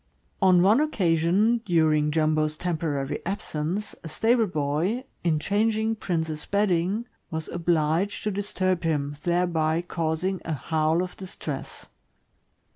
On one occasion, during Jumbo's temporary absence, a stable boy, in changing Prince's bedding, was obliged to disturb him, thereby causing a THE GREAT DANE. 547 howl of distress.